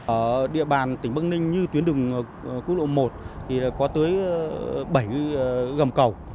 ở địa bàn tỉnh bắc ninh như tuyến đường quốc lộ một thì có tới bảy gầm cầu